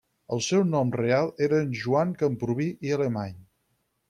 El seu nom real era Joan Camprubí i Alemany.